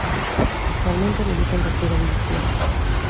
Actualmente milita en Terceira División.